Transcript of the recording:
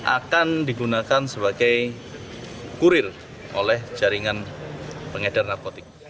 akan digunakan sebagai kurir oleh jaringan pengedar narkotik